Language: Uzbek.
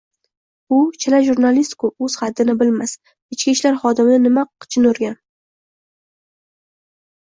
Bu chalajurnalistku oʻz haddini bilmas, ichki ishlar xodimini nima jin urgan?